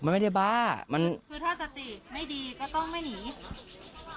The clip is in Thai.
มันไม่ได้บ้ามันคือถ้าสติไม่ดีก็ต้องไม่หนี